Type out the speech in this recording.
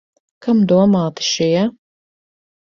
Kam domāti šie?